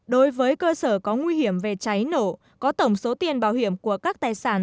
đối với cơ sở có nguy hiểm về cháy nổ có tổng số tiền bảo hiểm của các tài sản